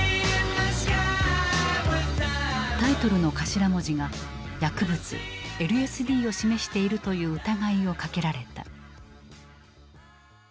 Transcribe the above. タイトルの頭文字が薬物ＬＳＤを示しているという疑いをかけられた。